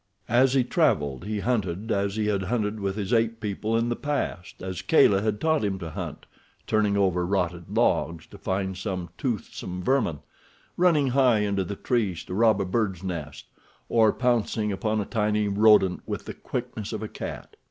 As he traveled he hunted as he had hunted with his ape people in the past, as Kala had taught him to hunt, turning over rotted logs to find some toothsome vermin, running high into the trees to rob a bird's nest, or pouncing upon a tiny rodent with the quickness of a cat.